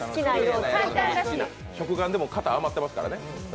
食玩でも型が余ってますからね。